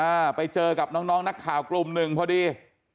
อ่าไปเจอกับน้องนักข่ากลุ่ม๑พอดี